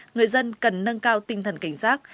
người dân cần nâng cao tinh thần cảnh giác